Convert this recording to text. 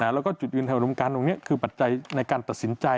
แล้วก็จุดยืนทางอุดมการตรงนี้คือปัจจัยในการตัดสินใจ